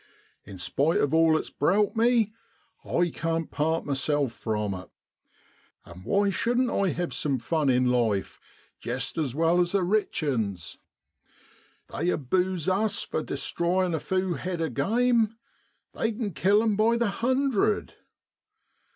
In spite of all it's browt me, I can't part myself from it. And DECEMBER IN SROALLAND. 139 why shouldn't I have some fun in life jest as well as the rich 'uns ? They abuse us for destroyin' a few head o' game they can kill 'em by the hundred.